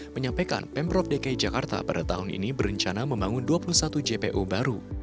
menyampaikan pemprov dki jakarta pada tahun ini berencana membangun dua puluh satu jpo baru